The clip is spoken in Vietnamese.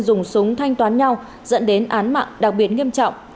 dùng súng thanh toán nhau dẫn đến án mạng đặc biệt nghiêm trọng